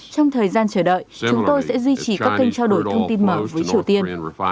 trong thời gian chờ đợi chúng tôi sẽ duy trì các kênh trao đổi thông tin mở với triều tiên